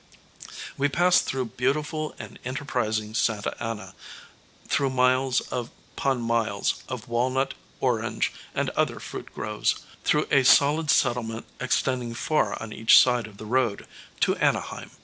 We passed through beautiful and enterprising Santa Ana, through miles upon miles of walnut, orange and other fruit groves, through a solid settlement extending far on each side of the road, to Anaheim.